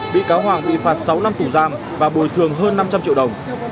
bị cáo hoàng bị phạt sáu năm tù giam và bồi thường hơn năm trăm linh triệu đồng